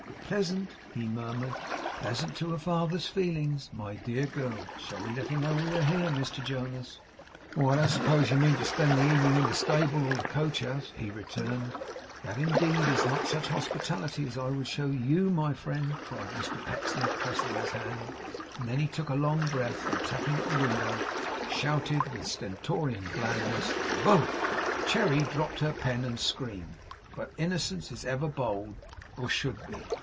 'Pleasant,' he murmured, 'pleasant to a father's feelings! My dear girl! Shall we let her know we are here, Mr Jonas?' 'Why, I suppose you don't mean to spend the evening in the stable, or the coach house,' he returned. 'That, indeed, is not such hospitality as I would show to YOU, my friend,' cried Mr Pecksniff, pressing his hand. And then he took a long breath, and tapping at the window, shouted with stentorian blandness: 'Boh!' Cherry dropped her pen and screamed. But innocence is ever bold, or should be.